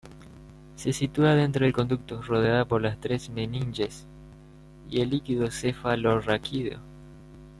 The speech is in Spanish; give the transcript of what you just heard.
Se sitúa dentro del conducto rodeada por las tres meninges y el líquido cefalorraquídeo.